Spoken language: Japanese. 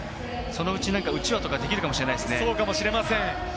そのうち、うちわとかできるかもしれませんね。